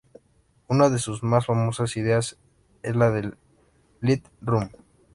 Una de sus más famosas ideas es la de la "little room.